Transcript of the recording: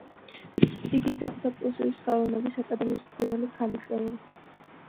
იგი გახდა პრუსიის ხელოვნების აკადემიის პირველი ქალი წევრი.